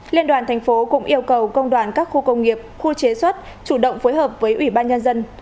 liên đoàn thành phố cũng yêu cầu công đoàn các khu công nghiệp khu chế xuất chủ động phối hợp với ủy ban nhân dân